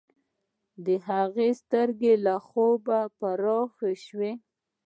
د هغه سترګې له خوښۍ پراخې شوې